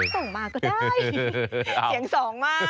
น่ารักจังเลย